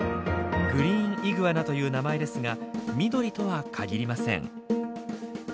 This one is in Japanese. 「グリーンイグアナ」という名前ですが緑とは限りません。